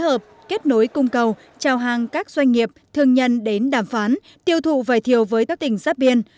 đối cung cầu trao hàng các doanh nghiệp thương nhân đến đàm phán tiêu thụ vải thiều với các tỉnh giáp biên